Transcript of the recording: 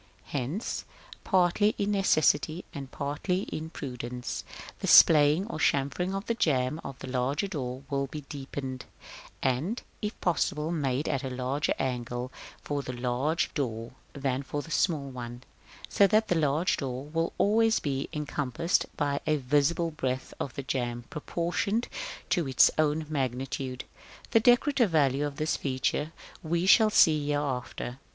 Hence, partly in necessity and partly in prudence, the splaying or chamfering of the jamb of the larger door will be deepened, and, if possible, made at a larger angle for the large door than for the small one; so that the large door will always be encompassed by a visible breadth of jamb proportioned to its own magnitude. The decorative value of this feature we shall see hereafter.